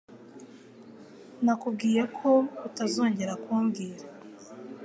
Nakubwiye ko utazongera kumbwira.